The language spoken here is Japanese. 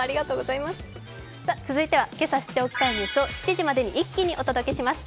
続いてはけさ知っておきたいニュースを７時までに一気にお届けします。